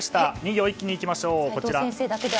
２行一気にいきましょう。